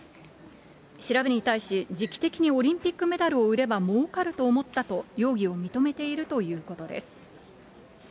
調べに対し、時期的に、オリンピックメダルを売ればもうかると思ったと、容疑を認めているということです。